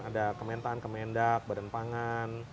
ada kementan kemendak badan pangan